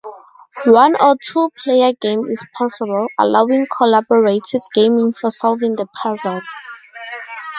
One or two-player game is possible, allowing collaborative gaming for solving the puzzles.